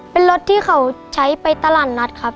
เป็นรถที่เขาใช้ไปตลาดนัดครับ